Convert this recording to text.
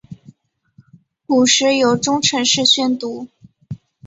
古时由中臣式宣读。